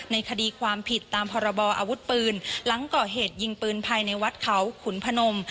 ในคดีความผิดตามพรบออาวุธปืนหลังก่อเหตุยิงปืนภายในวัดเขาขุนพนม